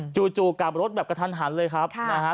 จู่กลับรถแบบกระทันหันเลยครับนะฮะ